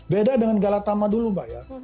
beda dengan galatama dulu mbak ya